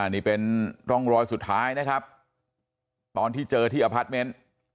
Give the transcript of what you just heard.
นี่เป็นร่องรอยสุดท้ายนะครับตอนที่เจอที่อพาร์ทเมนต์